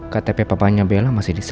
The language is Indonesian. ktp papahnya bella masih di saya